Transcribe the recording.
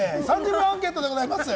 ３０秒アンケートでございます。